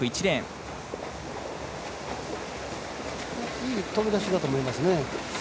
いい飛び出しだと思いますね。